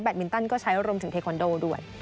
มินตันก็ใช้รวมถึงเทคอนโดด้วย